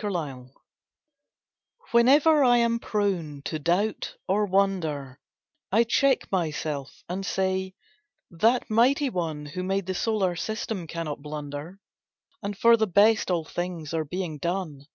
PRESUMPTION Whenever I am prone to doubt or wonder— I check myself, and say, "That mighty One Who made the solar system cannot blunder— And for the best all things are being done."